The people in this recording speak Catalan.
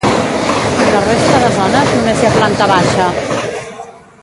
En la resta de zones només hi ha planta baixa.